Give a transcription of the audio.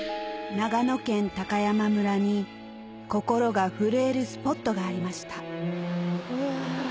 長野県高山村に心が震えるスポットがありましたいや。